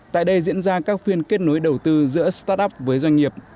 tại đây diễn ra các phiên kết nối đầu tư giữa start up với doanh nghiệp